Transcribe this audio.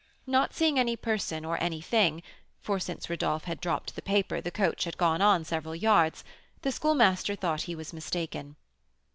Not seeing any person or anything (for since Rodolph had dropped the paper the coach had gone on several yards), the Schoolmaster thought he was mistaken.